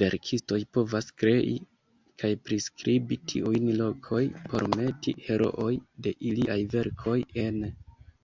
Verkistoj povas krei kaj priskribi tiujn lokoj por meti herooj de iliaj verkoj ene.